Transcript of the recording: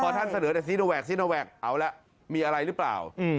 พอท่านเสนอแต่ซีโนแวคซีโนแวคเอาละมีอะไรหรือเปล่า